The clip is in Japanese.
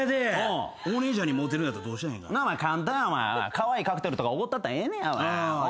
カワイイカクテルとかおごったったらええねや。